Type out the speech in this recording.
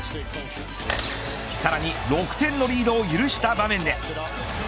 さらに６点のリードを許した場面で。